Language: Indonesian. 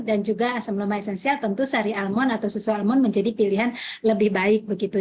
dan juga asam lemak esensial tentu sari almond atau susu almond menjadi pilihan lebih baik begitu